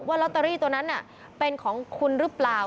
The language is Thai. ลอตเตอรี่ตัวนั้นเป็นของคุณหรือเปล่า